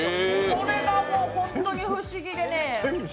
これがもう本当に不思議でね。